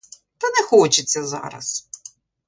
Та не хочеться зараз.